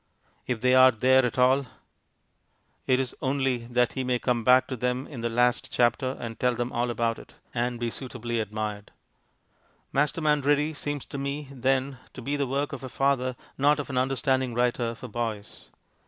If they are there at all, it is only that he may come back to them in the last chapter and tell them all about it... and be suitably admired. Masterman Ready seems to me, then, to be the work of a father, not of an understanding writer for boys.